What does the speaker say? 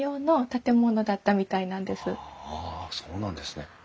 あそうなんですね。